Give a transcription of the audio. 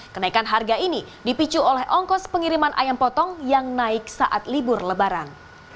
kenaikan harga ini dipicu oleh ongkos pengiriman ayam potong yang naik saat libur lebaran